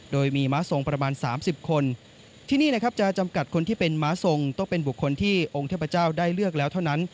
โดยมีม้าทรงประมาณ๓๐คนที่นี่นะครับจะจำกัดคนที่เป็นม้าทรงต้องเป็นบุคคลที่องค์เทพเจ้าได้เลือกแล้วเท่านั้น